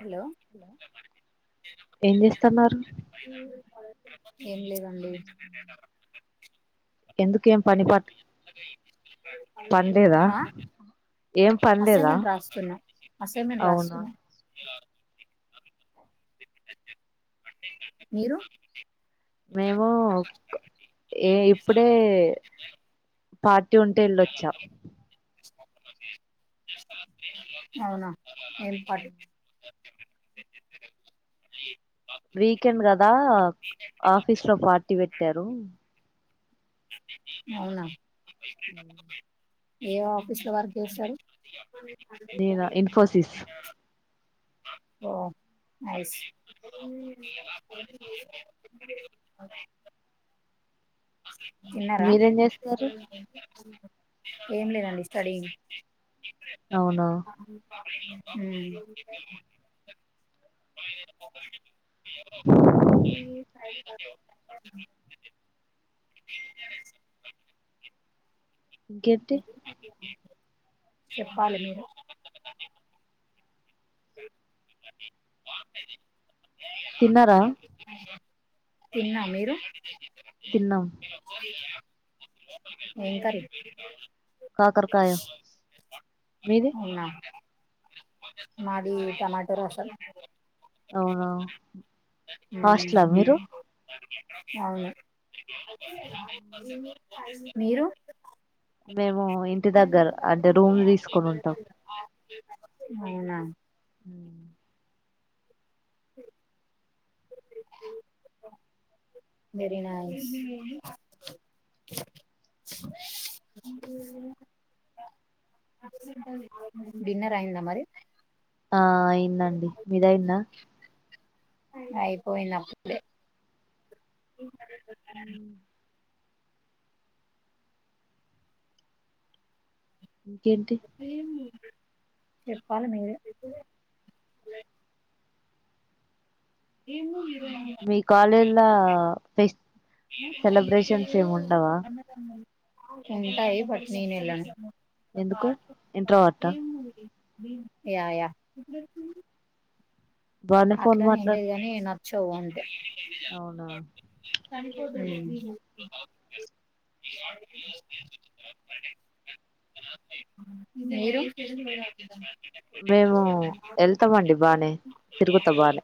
Hello ఏం చేస్తున్నారు ఏం లేదండి ఎందుకు ఏం పనిపాట్ పనిలేేదా ఆ అసైన్మెంట్ రాస్తున్నా అసైన్మెంట్ అవునా రాస్తున్నా మీరు మేము ఏ ఇప్పుడే పాట్ టి ఉంటే ఎళ్ళొచ్చా అవునా ఏం పాటి వీకెండ్ కదా ఆఫీస్ లో పార్టీ పెట్టారు అవునా ఉమ్మ్ ఏ ఆఫీస్ లో వర్క్ చేస్తారు నేనా ఇన్ఫోసిస్ ఓ నైస్ తిన్నారా మీరేం చేస్తారు ఏం లేదండి స్టడియింగ్ అవును హ్మ్ ఏ స ఇంకేంటి చెప్పాలి మీరు తిన్నారా తిన్నా మీరు తిన్నాం ఏం కర్రీ కాకరకాయ మీది అవునా మాది టమాటో రసం అవునా మ్మ్. హాస్టలా మీరు అవును మీరు మేము ఇంటి దగ్గర అంటే రూమ్ తీసుకొని ఉంటాం అవున హ సరినా అ డిన్నర్ అయిందా మరి ఆ అయిందండి మీదయింద అయిపోయిందప్పుడే హ ఉ ఏం చెప్పాలి మీరు ఎం మూవీ మీ కాలేజ్లా సెలబ్రేషన్స్ ఏమి ఉండవా [inaudible] ఉంటాయి బట్ నీన ఎలా ఉ ష ఎందుకు ఇంట్రోవర్టా ఏం యా యా బానే ఫోన్ మాట్లాడు చవు అంట అవునా ఏ పో మేము వెళ్తామండి బానే తిరుగుతా బానే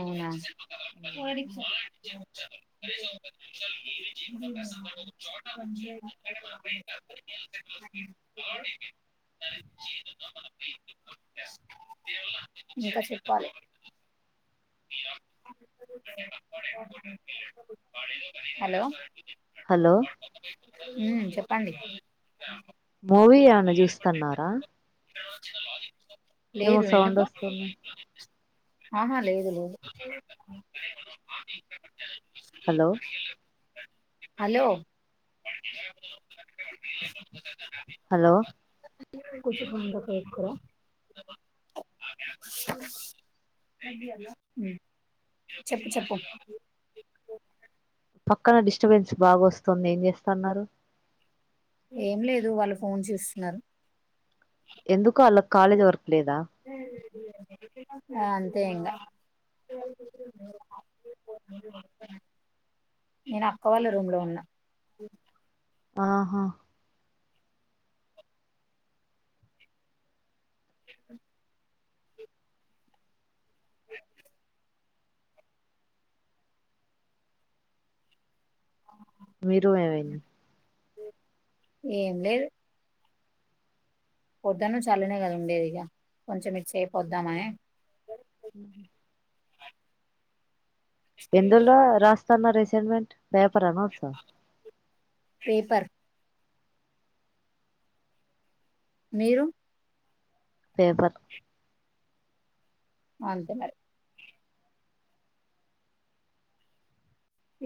అవునా కోరి సార్ ఇంకా చెప్పాలి హలో హలో హ్మ్ చెప్ పండి మూవి ఏమన్న చూస్తన్నారా ఏ వచ్చ లేదు ఎనుకో ఉన్నాయి ఆహా లేదు లేదు హలో హలో హలో ఖుషి పం ఎత్తుకుర చెప్పు చెప్పు పక్కన డిస్టబెన్స్ బాగా వస్తోంది ఏం చేస్తాన్నారు ఏం లేదు వాళ్ళు ఫోన్ చూస్తున్నారు ఎందుకో ఆల్లక్ కాలేజ్ వర్క్ లేదా ఆ అంతే ఇంకా నేను అక్క వాళ్ళ రూమ్ లో ఉన్నా ఆహా మీ రూమ్ ఏమైంది ఏం లేదు పొద్దనుంచి అల్లనే కదా ఉండేది ఇగ కొంచెం మిక్స్ అయిపోదాం అని హ్మ్ హు ఎందులో రాస్తన్నారు ఎస్ హెల్మెట్ బేపరానా వర్స పేపర్ మీరు పేపర్ అంతే మరి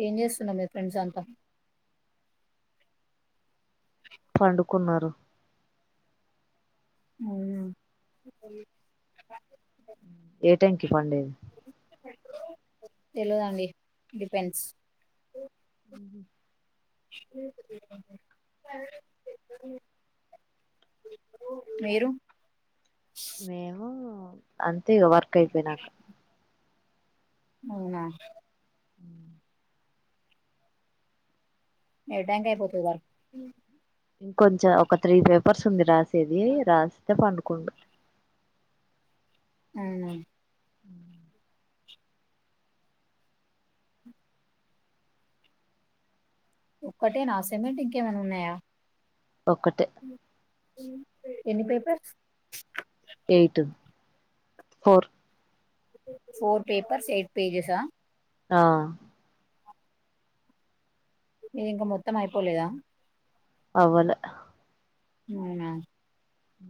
ఏం చేస్తున్నారు మీ ఫ్రెండ్స్ అంతా పండుకున్నారు అవున ఏ టైంకి పండేది తెల్వదండి డిపెన్స్ మ్మ్ మీరు మేము అంత తీగా వార్కయిపోయినాక అవునా ఎటాక అయిపోతుంది వర్క్ ఇంకొంచెం ఒక త్రీ పేపర్స్ ఉంది రాసి సది రాస్తే పం కుం అ ఉహ ఒక్కటే నా సమెట్ ఇంకేమైనా ఉన్నాయా ఒక్కటే ఎన్ని paper eight four four papers eight పజసా ఆహ మీరి ఇంకా మొత్తం అయిపోలేదా అవలే అవున హ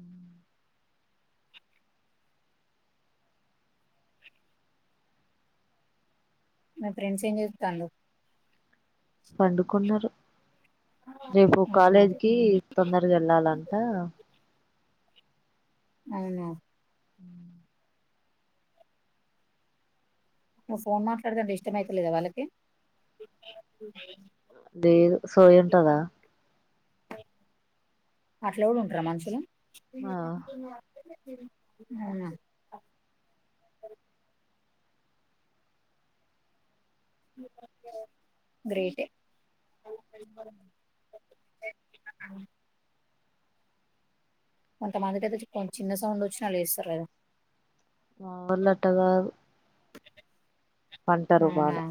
మీ ఫ్రెండ్స్ ఏం చెతాండ పండుకున్నారు రేపు అవునా కాలేజీకిి తొందరగా వెళ్ళాలంట అవునా అ నువ్వు ఫోన్ మాట్లాడదంటే ఇష్టం అయితలేదా వాళ్ళకి లేదు సోయుంటదా అట్ల ఎవడు ఉంటారా మనుషులు మా [unintelligible] అవునా గ్రేట్ కొంతమందిటయితే కొ చిన్న సౌండ్ వచ్చినా లేస్తారు కదా మా వోళ్ళు పంటలు అవునా వాళ్లే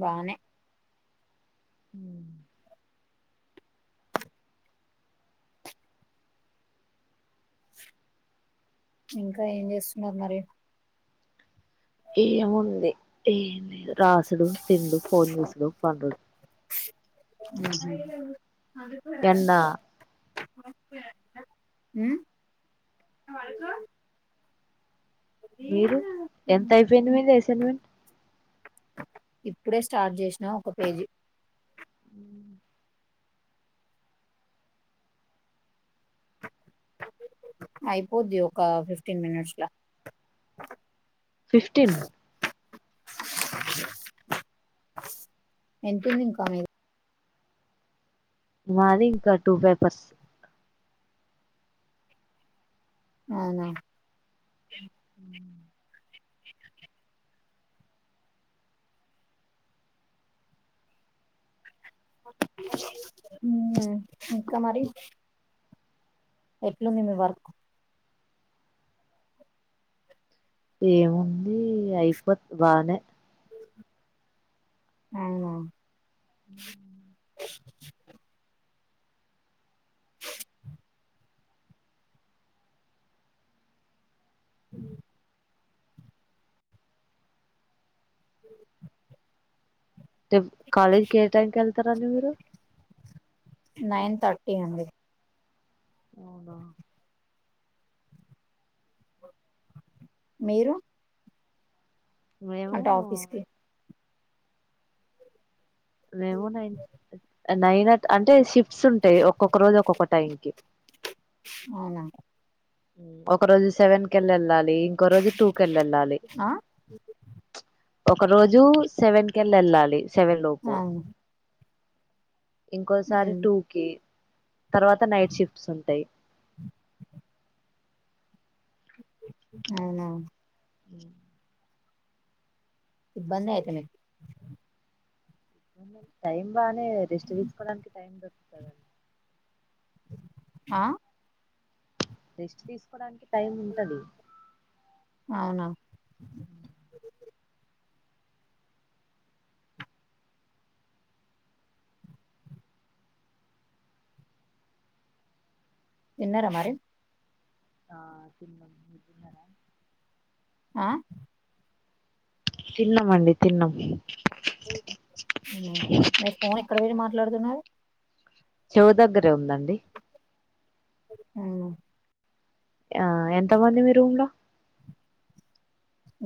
బాగానే ఉ ఇంకా ఏం చేస్తున్నారు మరి ఏము ఉంది ఏ రాసుడు తినుడు ఫోన్ చేసుడు పండుడు పండుకున్నారా ఎన్నా హ్మ్ మీరు ఎంత అయిపోయింది మీ అసైన్మెంట్ ఇప్పుడే స్టార్ట్ చేసినా ఒక పేజీ మ్మ్ అయిపోద్ది ఒక ఫిఫ్టీన్ మినిట్స్లా ఫిఫ్టీన్ ఎంతుంది ఇంకా మిది మాది ఇంకా టూ పేపర్స్ అవునా మ్మ్ [unintelligible] మ్మ్ ఇంకా మరి ఎట్లుంది మీ వర్క్ ఏముంది అయిపోద్ బానే అవునా ఉ హూ [unintelligible] రేపు కాలేజీకి ఏ టైం కి వెళ్తారండి మీరు నైన్ థర్టీ అండి అవునా మీరు మేము అంటే ఆఫీస్ కి మేము నైన్ నైన్ట్ అంటే ఫ్ స్ంటాయి ఒక్కొక్క రోజు ఒక్కొక్క టైం కీ అవునా ఒక రోజు సెవెన్ కెళ్ల్ వెళ్ళాలి ఇంకోరోజు టూకల్లా వెళ్ళాలి ఆ ఒక రోజు సెవెన్ కెళ్ళ వెళ్ళాలి సెవెన్ లోపు అవును ఇంకోసారి ఉమ్ టూకి తర్వాత నైట్ షిఫ్ట్స్ ఉంటాయి అవునా మ్మ్ ఇబ్బంది అయితే మీకు టైమ్ బాగానే రెస్ట్ తీసుకోవడానికి టైం దొరుకుతుందండి ఆ రెస్ట్ తీసుకోడానికి టైం ఉంటది అవున హ్మ్ తిన్నార మరి ఆ తిన్నా మీరు తిన్నారా ఆ తిన్నామండి తిన్నాం మీ ఫోన్ ఎక్కడ పెట్టి మాట్లాడుతున్నారు. చెవు దగ్గరే ఉందండి అ ఆ ఎంతమంది మీ రూమ్ లో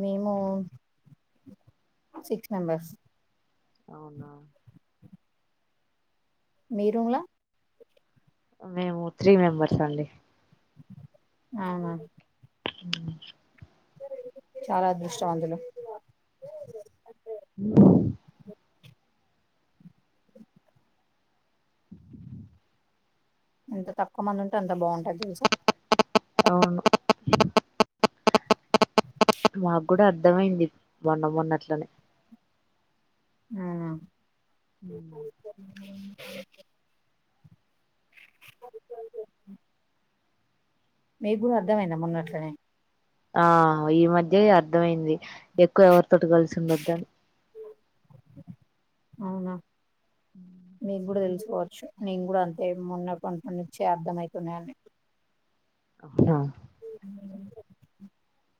మేము సిక్స్ మెంబర్స్ అవునా మీ రూమ్ లో మేము త్రీ మెంబర్స్ అండి అవునా చాలా అదృష్టవంతులు ఎంత తక్కువ మంది ఉంటే అంత బాగుంటది తెలుసా. అవును మాకు కూడా అర్థమయింది మొన్న మొన్నట్లనే ఆ హ అ [unintelligible] మీకు కూడా అర్థమైందా మొన్నట్లనే ఆ ఈ మధ్య అర్థమయింది ఎక్కువ ఎవరితోటి కలిసి ఉండొద్దని. అవునా ఉ మీకు కూడా తెలుసు కోవచ్చు నేను కూడా అంతే మొన్న కొంత నుంచిే అర్థమయితున్నాయి. అవునా అ